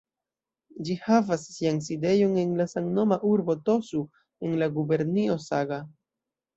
Ĝi havas sian sidejon en la samnoma urbo "Tosu" en la gubernio Saga.